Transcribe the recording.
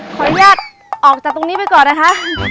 ขออนุญาตออกจากตรงนี้ไปก่อนนะคะ